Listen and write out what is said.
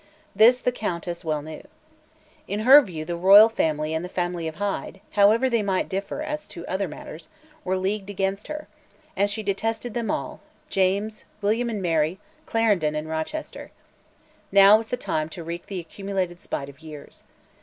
This the Countess well knew. In her view the Royal Family and the family of Hyde, however they might differ as to other matters, were leagued against her; and she detested them all, James, William and Mary, Clarendon and Rochester. Now was the time to wreak the accumulated spite of years.